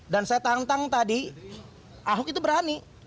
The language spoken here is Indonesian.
dan saya tantang tadi ahok itu berani